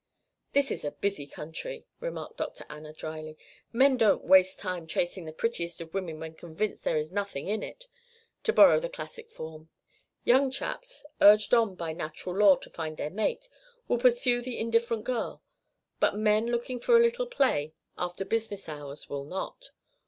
"This is a busy country," remarked Dr. Anna drily. "Men don't waste time chasing the prettiest of women when convinced there is nothing in it to borrow the classic form. Young chaps, urged on by natural law to find their mate, will pursue the indifferent girl, but men looking for a little play after business hours will not.